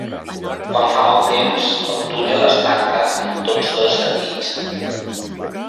Quan fa mal temps el túnel es tanca en tots dos sentits.